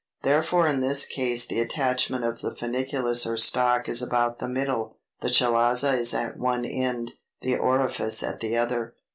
Therefore in this case the attachment of the funiculus or stalk is about the middle, the chalaza is at one end, the orifice at the other.